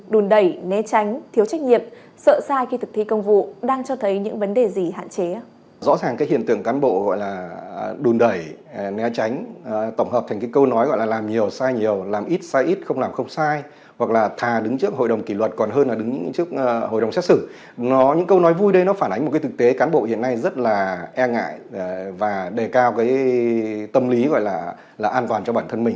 đùn đẩy né tránh thiếu trách nhiệm sợ sai khi thực thi công vụ đang cho thấy những vấn đề gì hạn chế